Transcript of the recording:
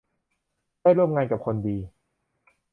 ได้ร่วมงานกับคนดี